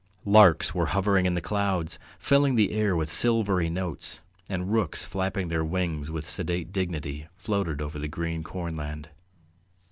Larks were hovering in the clouds, filling the air with silvery notes, and rooks flapping their wings with sedate dignity floated over the green cornland.